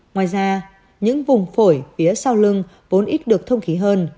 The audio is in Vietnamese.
ngoài ra những vùng phổi phía sau lưng vốn ít được thông khí hơn